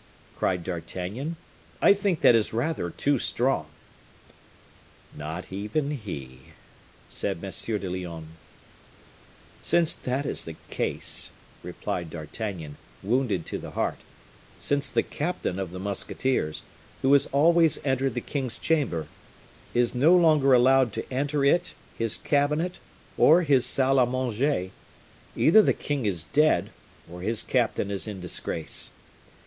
cried D'Artagnan. "I think that is rather too strong." "Not even he," said M. de Lyonne. "Since that is the case," replied D'Artagnan, wounded to the heart; "since the captain of the musketeers, who has always entered the king's chamber, is no longer allowed to enter it, his cabinet, or his salle a manger, either the king is dead, or his captain is in disgrace.